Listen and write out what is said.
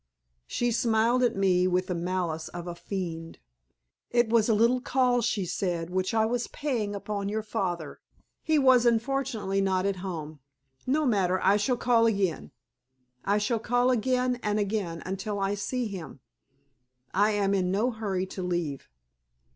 She smiled at me with the malice of a fiend. "It was a little call," she said, "which I was paying upon your father. He was unfortunately not at home. No matter, I shall call again; I shall call again and again until I see him. I am in no hurry to leave.